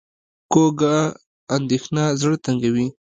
کوږه اندېښنه زړه تنګوي